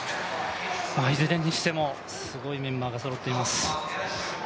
いずれにしてもすごいメンバーがそろっています。